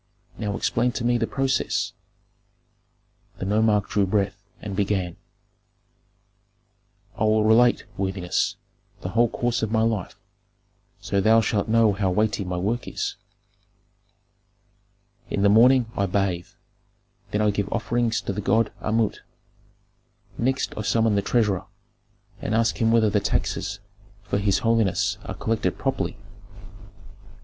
Now explain to me the process." The nomarch drew breath and began, "I will relate, worthiness, the whole course of my life, so thou shalt know how weighty my work is. "In the morning I bathe, then I give offerings to the god Amut; next I summon the treasurer, and ask him whether the taxes for his holiness are collected properly.